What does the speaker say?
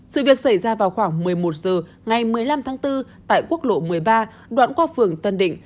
sự việc xảy ra vào khoảng một mươi một h ngày một mươi năm tháng bốn tại quốc lộ một mươi ba đoạn qua phường tân định